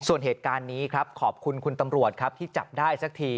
ส่วนเหตุการณ์นี้ครับขอบคุณคุณตำรวจครับที่จับได้สักที